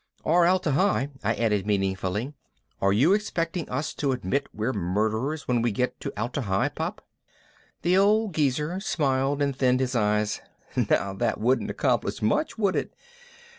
"Or Atla Hi," I added meaningfully. "Are you expecting us to admit we're murderers when we get to Atla Hi, Pop?" The old geezer smiled and thinned his eyes. "Now that wouldn't accomplish much, would it?